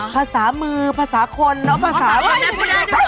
ภาษามือภาษาคนแล้วก็ฟังทั้งหมดทุกอย่างเลย